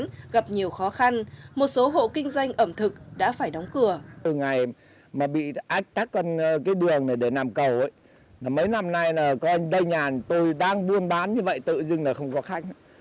trong khó khăn một số hộ kinh doanh ẩm thực đã phải đóng cửa